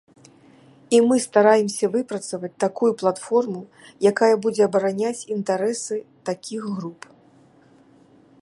І мы стараемся выпрацаваць такую платформу, якая будзе абараняць інтарэсы такіх груп.